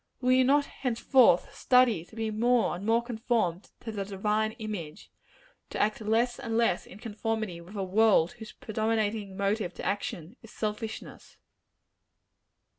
Will you not henceforth study to be more and more conformed to the Divine image and to act less and less in conformity with a world whose predominating motive to action, is selfishness?